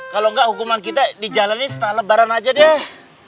kalau enggak hukuman kita dijalani setelah lebaran aja deh